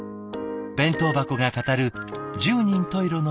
弁当箱が語る十人十色の小さな物語。